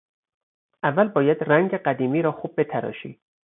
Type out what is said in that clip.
اول باید رنگ قدیمی را خوب بتراشی.